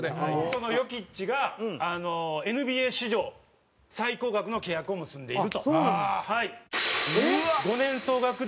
そのヨキッチがあのＮＢＡ史上最高額の契約を結んでいると。